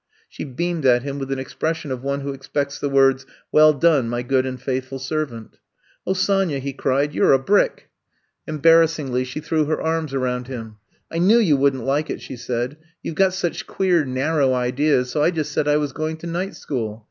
She beamed at him with an expression of one who expects the words :'' Well done, my good and faithful servant. '' *'0h, Sonya," he cried, you 're a brick!" I'VE COME TO STAY 147 Embarrassingly she threw her arms around him. '* I knew you would n 't like it, '' she said. You 've got such queer narrow ideas, so I just said I was going to night school.